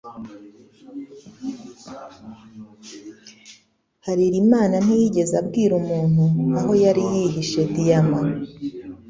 Harerimana ntiyigeze abwira umuntu aho yari yihishe diyama.